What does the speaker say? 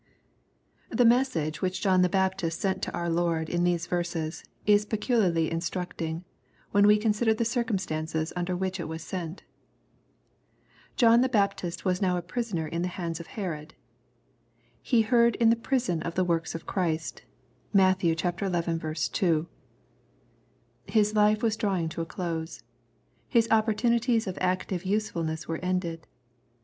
The message which John the Baptist sent to our Loi'd, in these verses, is peculiarly instructing, when we con sider the circumstances under which it was sent. John the Baptist was now a prisoner in the hands of Herod. " He heard in the prison the works of Christ." (Matt. xi. 2.) His life was drawing to a close. His opportu nities of active usefulness were ended.